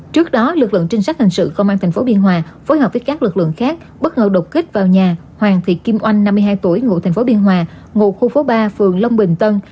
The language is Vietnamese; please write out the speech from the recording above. trước đó lực lượng trinh sát hình sự công an tp biên hòa phối hợp với các lực lượng khác bất ngờ đột kích vào nhà hoàng thị kim oanh năm mươi hai tuổi ngụ thành phố biên hòa ngụ khu phố ba phường long bình tân